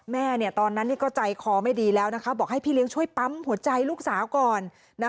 แม่ตอนนั้นก็ใจคอไม่ดีแล้วนะคะบอกให้พี่เลี้ยงช่วยปั๊มหัวใจลูกสาวก่อน